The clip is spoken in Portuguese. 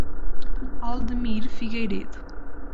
Aldemir Figueiredo